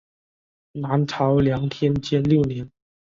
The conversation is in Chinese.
南朝梁天监六年。